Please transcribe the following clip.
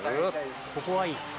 ここはいい。